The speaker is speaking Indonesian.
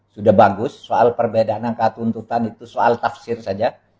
sudah bagus soal perbedaan angka tuntutan itu soal tafsir saja